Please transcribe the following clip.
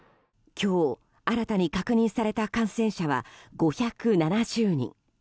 今日、新たに確認された感染者は５７０人。